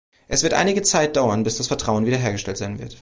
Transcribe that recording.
Es wird einige Zeit dauern, bis das Vertrauen wieder hergestellt sein wird.